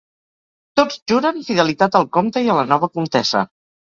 Tots juren fidelitat al comte i a la nova comtessa.